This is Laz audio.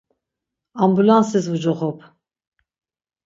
Ambulansis vucoxop.